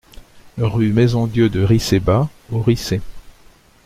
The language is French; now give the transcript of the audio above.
Rue Maison Dieu de Ricey Bas aux Riceys